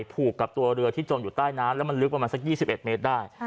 ผูกกับตัวเรือที่จมอยู่ใต้น้ำแล้วมันลึกประมาณสัก๒๑เมตรได้